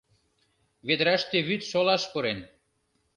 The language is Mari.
Ведраште вӱд шолаш пурен.